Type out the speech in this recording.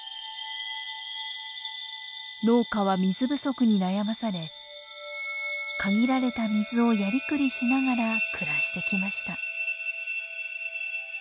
農家は水不足に悩まされ限られた水をやりくりしながら暮らしてきました。